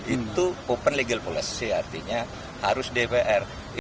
itu open legal policy artinya harus dpr